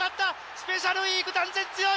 スペシャルウィーク断然強い！